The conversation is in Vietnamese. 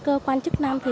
cơ quan chức năng